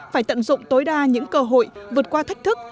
phải tận dụng tối đa những cơ hội vượt qua thách thức